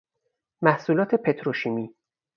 محصولات پتروشیمی